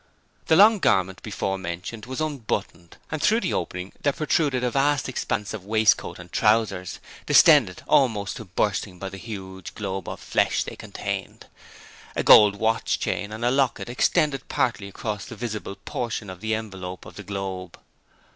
The long garment beforementioned was unbuttoned and through the opening there protruded a vast expanse of waistcoat and trousers, distended almost to bursting by the huge globe of flesh they contained. A gold watch chain with a locket extended partly across the visible portion of the envelope of the globe.